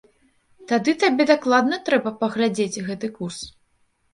Тады табе дакладны трэба паглядзець гэты курс!